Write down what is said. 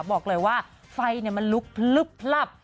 บอกเลยว่าไฟมันลุกพลึบพลับ